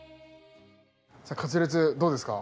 カツレツどうですか？